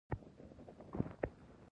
راشد ناروغ دی، راشد دې روغ شي